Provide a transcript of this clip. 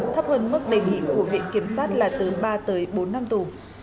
thấp hơn mức đề nghị của viện kiểm sát là từ ba tới bốn năm tù